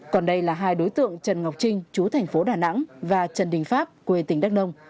còn đây là hai đối tượng trần ngọc trinh chú tp đà nẵng và trần đình pháp quê tỉnh đắk đông